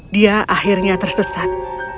dia akhirnya tersesat